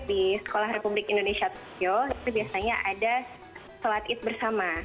di sekolah republik indonesia tokyo itu biasanya ada sholat id bersama